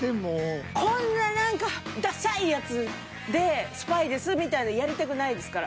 こんな何かダサいやつでスパイですみたいなのやりたくないですから。